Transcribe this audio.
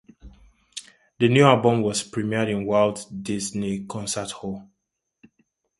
The new album was premiered in the Walt Disney Concert Hall.